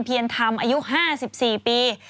เพียรธรรมอายุ๕๔ปี